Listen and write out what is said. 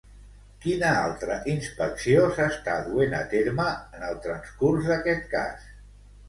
Quina altra inspecció s'està duent a terme en el transcurs d'aquest cas?